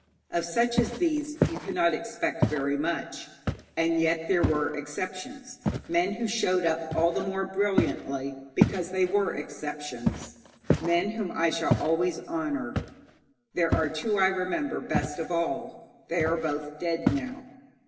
Of such as these you cannot expect very much. And yet there were exceptions men who showed up all the more brilliantly because they were exceptions men whom I shall always honour. There were two I remember best of all. They are both dead now.